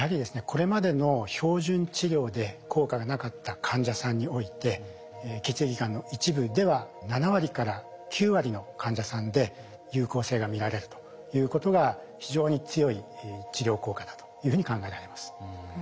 これまでの標準治療で効果がなかった患者さんにおいて血液がんの一部では７割から９割の患者さんで有効性が見られるということが非常に強い治療効果だというふうに考えられます。